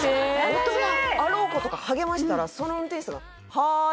大人あろうことか励ましたらその運転手さんが「はい」